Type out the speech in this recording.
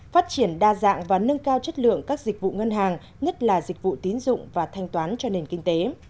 phát triển đa dạng và nâng cao chất lượng các dịch vụ ngân hàng nhất là dịch vụ tín dụng và thanh toán cho nền kinh tế